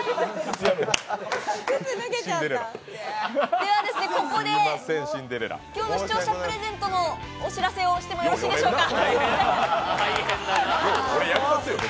では、ここで今日の視聴者プレゼントのお知らせをしてもよろしいでしょうか？